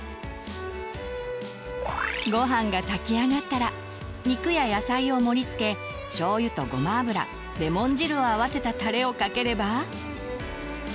ご飯が炊き上がったら肉や野菜を盛りつけしょうゆとごま油レモン汁を合わせたタレをかければ。